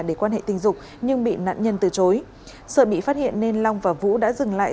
để quan hệ tình dục nhưng bị nạn nhân từ chối sợ bị phát hiện nên long và vũ đã dừng lại